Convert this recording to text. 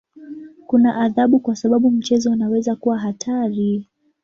Kuna adhabu kwa sababu mchezo unaweza kuwa hatari.